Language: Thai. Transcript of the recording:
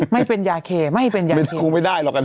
ไม่เป็นยาเคไม่เป็นยาเค